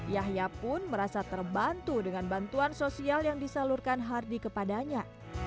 yahya pun merasa terbantu dengan bantuan sosial yang disalurkan hardy kepadanya